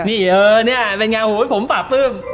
นี่เนี่ยเป็นไงผมฝากปลื้ม